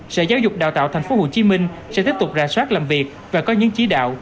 sở giáo dục đào tạo tp hcm sẽ tiếp tục ra soát làm việc và có những chí đạo